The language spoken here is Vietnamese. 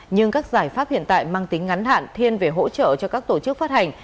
nhưng các giải pháp hiện tại mang tính ngắn hạn thiên về hỗ trợ cho các tổ chức phát hành